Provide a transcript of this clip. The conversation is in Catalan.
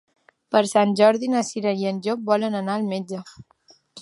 Per Sant Jordi na Cira i en Llop volen anar al metge.